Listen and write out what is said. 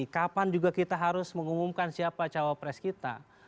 kapan juga kita harus mengumumkan siapa cawapres kita